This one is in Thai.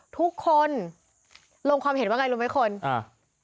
ทุกคนลงความเห็นว่าไงรู้ไหมคนอ่า